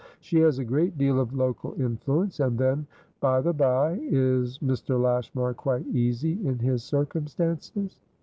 She has a great deal of local influence. And thenby the bye, is Mr. Lashmar quite easy in his circumstances?"